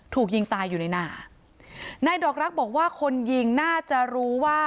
ถูกยิงตายอยู่ในหนานายดอกรักบอกว่าคนยิงน่าจะรู้ว่า